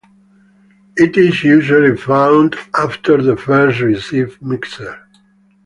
It is usually found after the first receiver mixer.